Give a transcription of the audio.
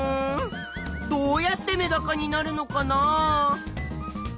どうやってメダカになるのかな？